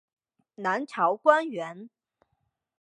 南朝官员。